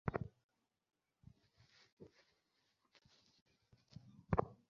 তিনি তা-ই করলেন।